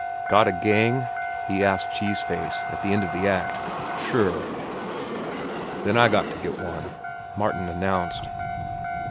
"Got a gang?" he asked Cheese Face, at the end of the act. "Sure." "Then I got to get one," Martin announced.